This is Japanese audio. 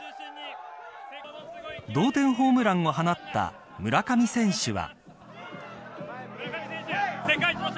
同点ホームランを放った村上選手は。